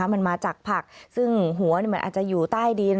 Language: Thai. มันมาจากผักซึ่งหัวมันอาจจะอยู่ใต้ดิน